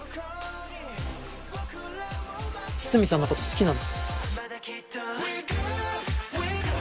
筒見さんのこと好きなの？